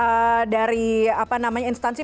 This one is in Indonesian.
anda katakan dari apa namanya instansi